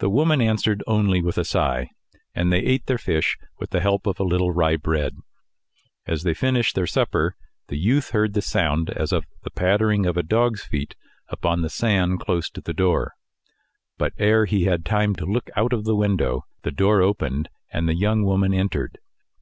The woman answered only with a sigh, and they ate their fish with the help of a little rye bread. As they finished their supper, the youth heard the sound as of the pattering of a dog's feet upon the sand close to the door; but ere he had time to look out of the window, the door opened, and the young woman entered.